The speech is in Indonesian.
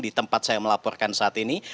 di tempat saya melaporkan saat ini